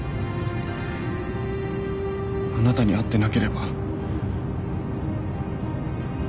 あなたに会ってなければ